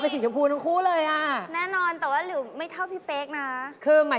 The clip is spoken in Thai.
สวย